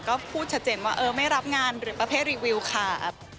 ก็พูดชัดเจนว่าเออไม่รับงานหรือประเภทรีวิวค่ะ